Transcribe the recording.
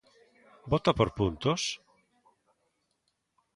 ¿Vota por puntos?